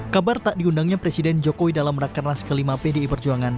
kabar tak diundangnya presiden jokowi dalam rakernas ke lima pdi perjuangan